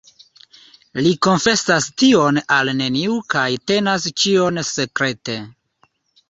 Li konfesas tion al neniu kaj tenas ĉion sekrete.